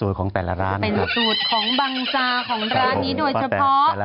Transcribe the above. ลองทานดูได้ไหม